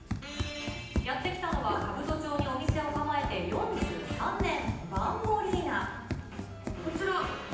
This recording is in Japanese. やって来たのは、兜町にお店を構えて４３年、バンボリーナ。